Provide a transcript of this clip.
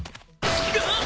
あっ！